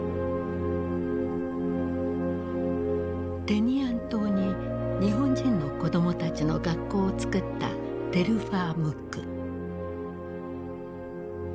テニアン島に日本人の子供たちの学校を作ったテルファー・ムック。